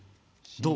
どう？